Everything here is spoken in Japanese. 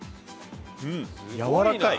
やわらかい。